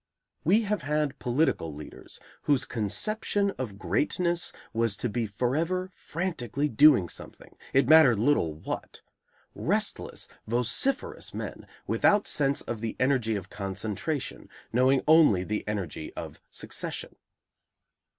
We have had political leaders whose conception of greatness was to be forever frantically doing something, it mattered little what; restless, vociferous men, without sense of the energy of concentration, knowing only the energy of succession.